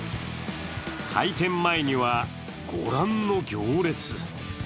開店前には御覧の行列。